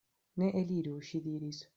Ni eliru, ŝi diris.